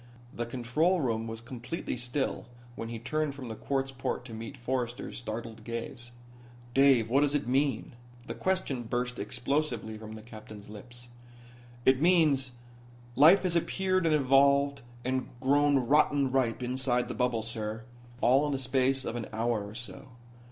The control room was completely still when he turned from the quartz port to meet Forrester's startled gaze. "Dave, what does it mean?" The question burst explosively from the captain's lips. "It means life has appeared and evolved and grown rotten ripe inside the bubble, sir. All in the space of an hour or so."